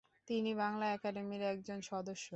তিনি বাংলা একাডেমির একজন সদস্য।